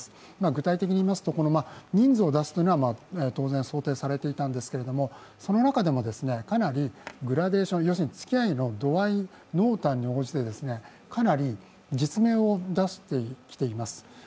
具体的に言いますと、人数を出すというのは当然、想定されていたんですけれども、その中でもかなりグラデーション、要するにつきあいの度合い、濃淡に応じて実名を出してきています。